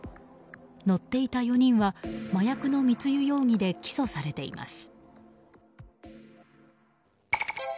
乗っていた４人は麻薬の密輸容疑で起訴されています。